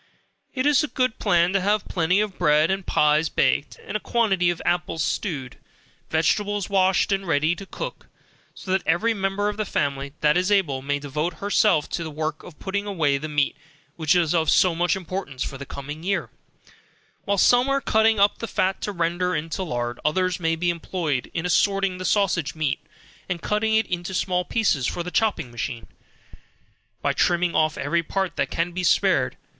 It is a good plan to have plenty of bread and pies baked, and a quantity of apples stewed, vegetables washed and ready to cook, so that every member of the family, that is able, may devote herself to the work of putting away the meat which is of so much importance for the coming year, while some are cutting up the fat to render into lard, others may be employed in assorting the sausage meat, and cutting it into small pieces for the chopping machine, by trimming off every part that can be spared.